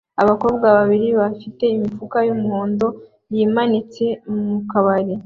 Abakobwa babiri bafite imifuka yumuhondo yimanitse mu kabari